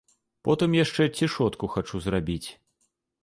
Потым яшчэ цішотку хачу зрабіць.